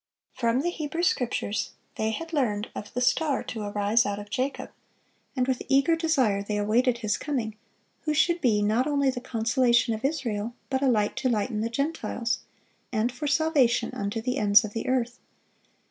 From the Hebrew Scriptures they had learned of the Star to arise out of Jacob, and with eager desire they awaited His coming, who should be not only the "Consolation of Israel," but a "Light to lighten the Gentiles," and "for salvation unto the ends of the earth."